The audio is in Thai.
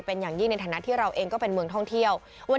เป็นอย่างยิ่งในฐานะที่เราเองก็เป็นเมืองท่องเที่ยว